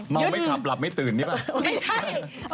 เมาไม่ขับหลับไม่ตื่นนี่ป่ะ